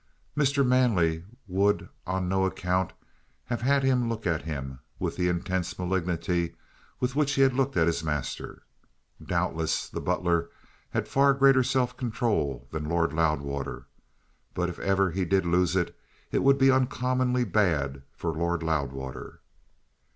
Mr. Manley would on no account have had him look at him with the intense malignity with which he had looked at his master. Doubtless the butler had far greater self control than Lord Loudwater; but if ever he did lose it it would be uncommonly bad for Lord Loudwater.